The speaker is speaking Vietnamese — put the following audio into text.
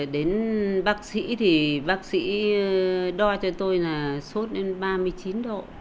đến bác sĩ thì bác sĩ đo cho tôi là sốt đến ba mươi chín độ